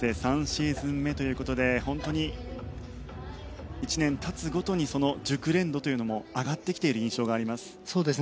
３シーズン目ということで本当に１年経つごとに熟練度というのも上がってきている印象があります。